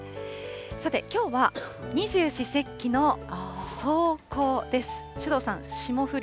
さて、きょうは二十四節気の霜降です。